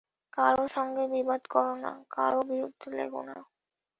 কারও সঙ্গে বিবাদ করো না, কারও বিরুদ্ধে লেগো না।